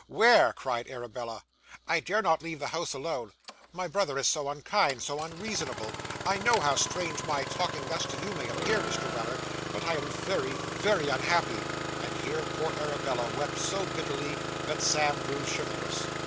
where?' cried Arabella. 'I dare not leave the house alone. My brother is so unkind, so unreasonable! I know how strange my talking thus to you may appear, Mr. Weller, but I am very, very unhappy ' and here poor Arabella wept so bitterly that Sam grew chivalrous.